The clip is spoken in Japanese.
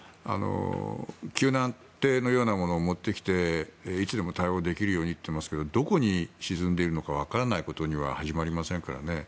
救難艇のようなものを持ってきていつでも対応できるようにと言っていますがどこに沈んでいるのかわからないことには始まりませんからね。